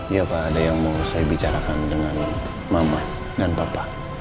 iya pak ada yang mau saya bicarakan dengan mama dan bapak